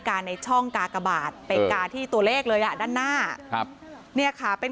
ในช่องกากบาทไปกาที่ตัวเลขเลยอ่ะด้านหน้าครับเนี่ยค่ะเป็น